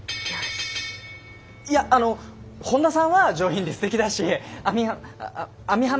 いやあの本田さんは上品ですてきだしあみ網浜さんも。